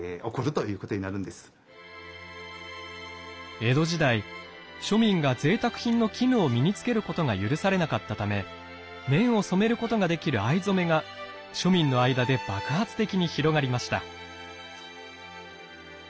江戸時代庶民がぜいたく品の絹を身に着けることが許されなかったため綿を染めることができる藍染めが庶民の間で爆発的に広がりました。